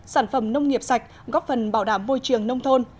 sản phẩm nông nghiệp sạch góp phần bảo đảm môi trường nông thôn